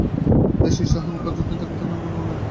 দ্বেষ, ঈর্ষা, অহমিকাবুদ্ধি যতদিন থাকিবে, ততদিন কোন কল্যাণ নাই।